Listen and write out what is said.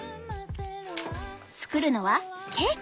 作るのはケーキ。